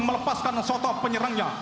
melepaskan satwa penyerangnya